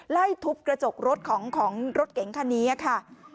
ไล่ทุบกระจกรถของรถเก๋งคันนี้ค่ะ